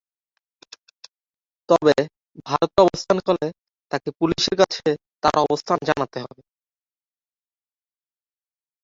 তবে, ভারতে অবস্থানকালে তাকে পুলিশের কাছে তার অবস্থান জানাতে হবে।